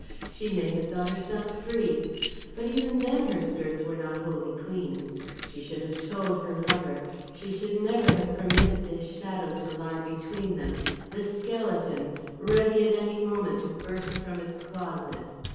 She may have thought herself free. But even then her skirts were not wholly clean. She should have told her lover; she should never have permitted this shadow to lie between them this skeleton, ready at any moment to burst from its closet.